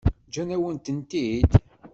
Ǧǧant-awen-tent-id?